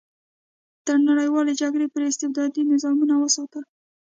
تر نړیوالې جګړې پورې استبدادي نظامونه وساتل.